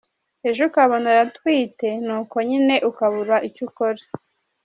Ejo ukabona aratwite nuko nyine ukabura icyo ukora.